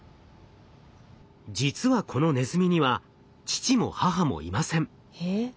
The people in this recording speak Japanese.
実はこのネズミには父も母もいません。